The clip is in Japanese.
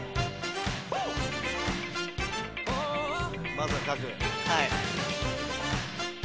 まずは描く。